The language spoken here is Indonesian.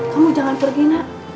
kamu jangan pergi nak